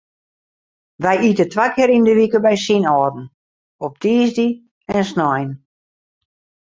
Wy ite twa kear yn de wike by syn âlden, op tiisdei en snein.